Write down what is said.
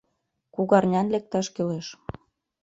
— Кугарнян лекташ кӱлеш.